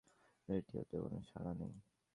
রেডিওতে কোনো সাড়া নেই!